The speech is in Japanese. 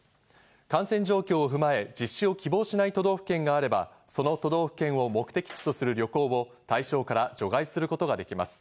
感染状況を踏まえ実施を希望しない都道府県があれば、その都道府県を目的地とする旅行を対象から除外することができます。